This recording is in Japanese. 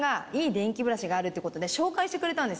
電気ブラシがあるってことで紹介してくれたんです。